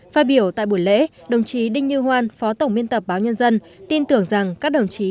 phát biểu tại buổi lễ đồng chí đinh như hoan phó tổng biên tập báo nhân dân tin tưởng rằng các đồng chí